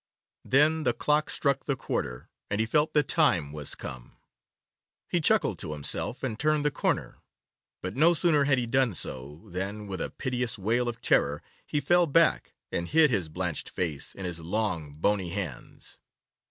Then the clock struck the quarter, and he felt the time was come. He chuckled to himself, and turned the corner; but no sooner had he done so, than, with a piteous wail of terror, he fell back, and hid his blanched face in his long, bony hands.